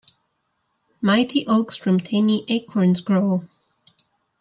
Mighty oaks from tiny acorns grow.